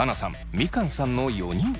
みかんさんの４人。